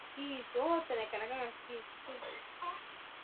watawala wa kifalme walitekeleza mambo mbalimbali